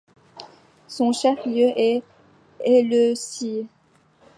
Son chef-lieu est Éleusis.